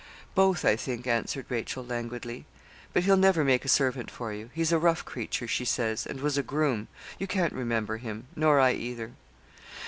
'Both, I think,' answered Rachel, languidly; 'but he'll never make a servant for you he's a rough creature, she says, and was a groom. You can't remember him, nor I either.'